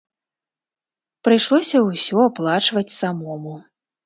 Прыйшлося ўсё аплачваць самому.